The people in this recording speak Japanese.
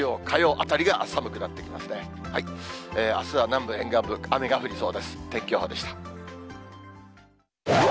あすは南部沿岸部、雨が降りそう